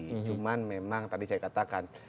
cuman memang tadi saya katakan